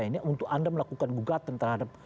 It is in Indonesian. ini untuk anda melakukan gugatan terhadap